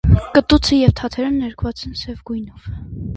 Կտուցը և թաթերը ներկված են սև գույնով։